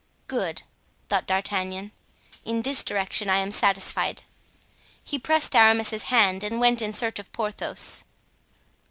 "Good!" thought D'Artagnan: "in this direction I am satisfied." He pressed Aramis's hand and went in search of Porthos.